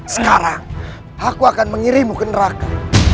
sekarang aku akan mengirimu ke neraka